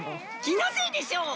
気のせいでしょう！